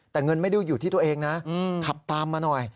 แต่เงินไม่ได้อยู่ที่ตัวเองนะขับตามมาหน่อย